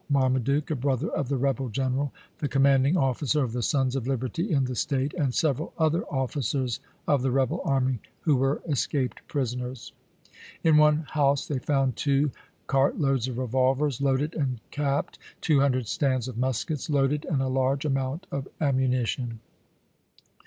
Marmaduke, a brother of the rebel general, the commanding officer of the Sons of Liberty in the State, and several other officers of the rebel army who were escaped prisoners. In one house they found two cartloads of revolvers, loaded and capped, two hundi*ed stands of muskets, loaded, and a large amount of ammunition.